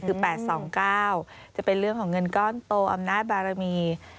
คือ๘๒๙จะเป็นเรื่องของเงินก้อนโตอำนาจบารมี